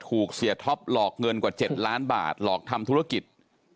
เสียท็อปหลอกเงินกว่า๗ล้านบาทหลอกทำธุรกิจ